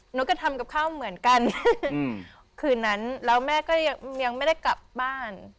หนูก็ทำกับข้าวเหมือนกันคืนนั้นแล้วแม่ก็ยังไม่ได้กลับบ้าน